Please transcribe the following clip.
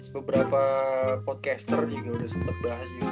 beberapa podcaster juga udah sempet bahas juga